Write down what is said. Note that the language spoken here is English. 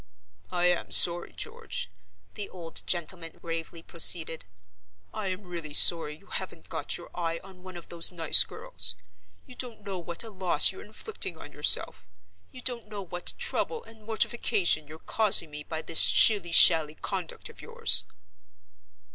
"I am sorry, George," the old gentleman gravely proceeded; "I am really sorry you haven't got your eye on one of those nice girls. You don't know what a loss you're inflicting on yourself; you don't know what trouble and mortification you're causing me by this shilly shally conduct of yours."